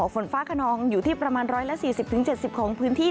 ฝนฟ้าขนองอยู่ที่ประมาณ๑๔๐๗๐ของพื้นที่